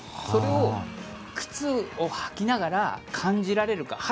それを靴を履きながら感じられるか。